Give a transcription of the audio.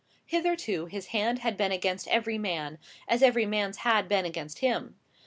Hitherto his hand had been against every man, as every man's had been against him.